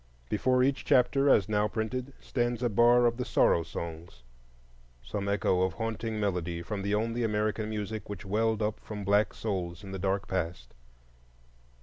Before each chapter, as now printed, stands a bar of the Sorrow Songs,—some echo of haunting melody from the only American music which welled up from black souls in the dark past.